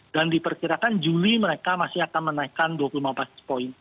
dan diperkirakan juli mereka masih akan menaikkan dua puluh lima basis point